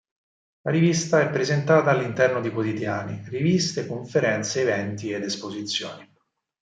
La rivista è presentata all'interno di quotidiani, riviste, conferenze, eventi ed esposizioni.